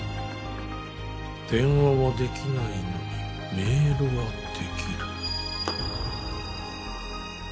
電話はできないのにメールはできる。